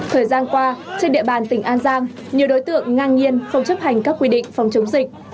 thời gian qua trên địa bàn tỉnh an giang nhiều đối tượng ngang nhiên không chấp hành các quy định phòng chống dịch